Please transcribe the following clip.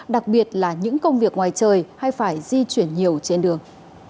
đặc biệt là những công việc ngoài trời hay phải di chuyển nhiều trên đường